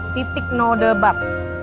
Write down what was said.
titik no debat